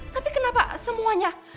tapi kenapa semuanya